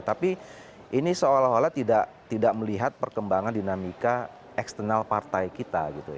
tapi ini seolah olah tidak melihat perkembangan dinamika eksternal partai kita